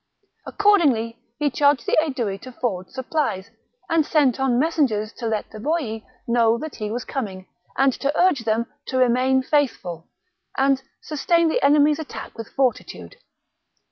Accordingly he charged the Aedui to forward supplies, and sent on messengers to let the Boii know that he was coming and to urge them to remain faithful and sustain the enemy's attack with fortitude.